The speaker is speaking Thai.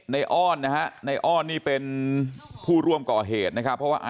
อ้อนนะฮะในอ้อนนี่เป็นผู้ร่วมก่อเหตุนะครับเพราะว่า